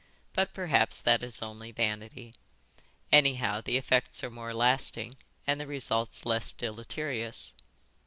But perhaps that is only vanity. Anyhow, the effects are more lasting and the results less deleterious."